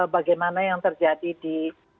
bagaimana yang terjadi di